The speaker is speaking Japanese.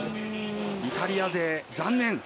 イタリア勢、残念。